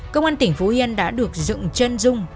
công an tỉnh phú yên đã được dựng chân dung